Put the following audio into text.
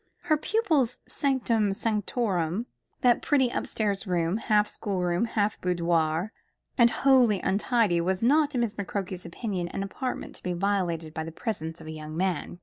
Her pupil's sanctum sanctorum that pretty up stairs room, half schoolroom, half boudoir, and wholly untidy was not, in Miss McCroke's opinion, an apartment to be violated by the presence of a young man.